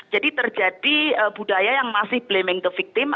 jadi terjadi budaya yang masih blaming the victim